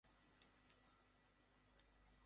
Mister Sahay, অভিনন্দন।